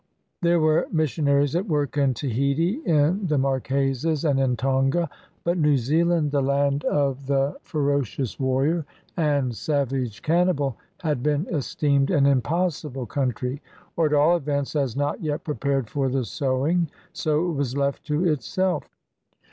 There were missionaries at work in Tahiti, in the Mar quesas, and in Tonga; but New Zealand, the land of the 494 THE MISSIONARY AND THE CANNIBALS ferocious warrior and savage cannibal, had been es teemed an impossible country, or at all events, as not yet prepared for the sowing. So it was left to itself.